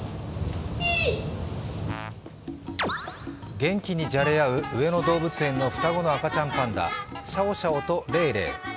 元気にじゃれ合う上野動物園の双子の赤ちゃんパンダシャオシャオとレイレイ。